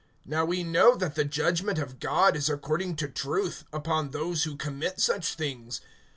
(2)Now we know that the judgment of God is according to truth, upon those who commit such things.